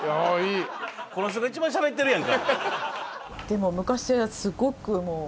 でも昔はすごく。